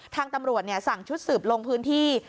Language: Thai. ทางตำรวจสั่งชุดสืบลงพื้นที่